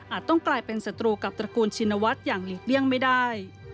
ต้องกลายเป็นศัตรูกับตระกูลชินวัฒน์อย่างหลีกเลี่ยงไม่ได้